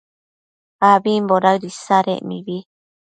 abimbo daëd isadec mibi